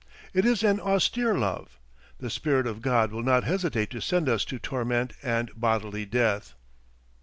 It is an austere love. The spirit of God will not hesitate to send us to torment and bodily death.